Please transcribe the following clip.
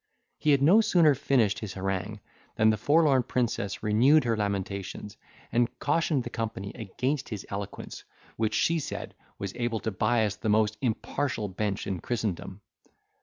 He had no sooner finished his harangue, than the forlorn princess renewed her lamentations, and cautioned the company against his eloquence, which, she said, was able to bias the most impartial bench in Christendom.